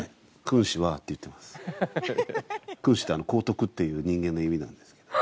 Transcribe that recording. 「君子」って高徳っていう人間の意味なんですけど。